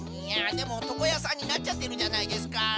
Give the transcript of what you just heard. いやでもとこやさんになっちゃってるじゃないですか。